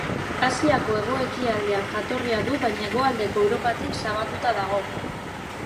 Asiako hego-ekialdean jatorria du baina hegoaldeko Europatik zabalduta dago.